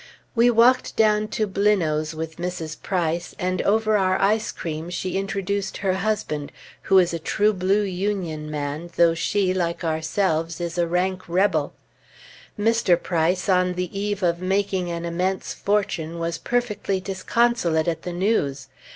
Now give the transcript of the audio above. We walked down to Blineau's with Mrs. Price, and over our ice cream she introduced her husband, who is a true blue Union man, though she, like ourselves, is a rank Rebel. Mr. Price, on the eve of making an immense fortune, was perfectly disconsolate at the news.